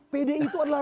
pdi itu adalah